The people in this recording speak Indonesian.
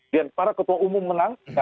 dan para ketua umum menang